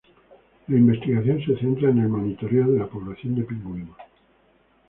La investigación se centra en el monitoreo de la población de pingüinos.